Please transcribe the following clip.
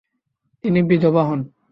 তিনি বিধবা হন।